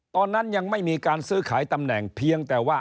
ตอนนั้นยังไม่มีการซื้อขายตำแหน่งเพียงแต่ว่า